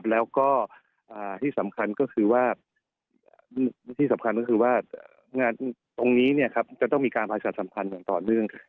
แล้วก็ที่สำคัญก็คือว่าตรงนี้จะต้องมีการภาษาสำคัญต่อด้วย